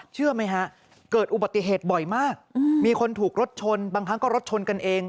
เชื่อไหมฮะเกิดอุบัติเหตุบ่อยมากมีคนถูกรถชนบางครั้งก็รถชนกันเอง